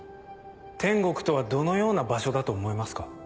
天国とはどのような場所だと思いますか？